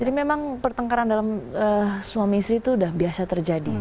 memang pertengkaran dalam suami istri itu sudah biasa terjadi